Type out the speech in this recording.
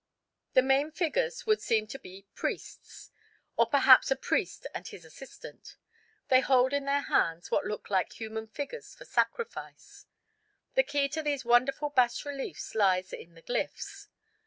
The main figures would seem to be priests, or perhaps a priest and his assistant. They hold in their hands what look like human figures for sacrifice. The key to these wonderful bas reliefs lies in the glyphs.